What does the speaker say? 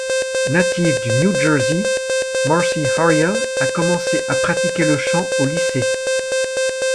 Native du New Jersey, Marcy Harriell a commencé à pratiquer le chant au lycée.